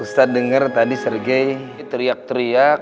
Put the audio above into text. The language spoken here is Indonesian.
ustaz denger tadi sergei teriak teriak